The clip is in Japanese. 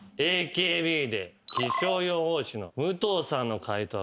ＡＫＢで気象予報士の武藤さんの解答